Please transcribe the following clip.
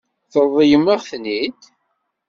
Wi iwwten di lɛib, ad t-inṭeḍ.